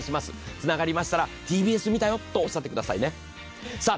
つながりましたら、ＴＢＳ見たよとおっしゃってくださいね。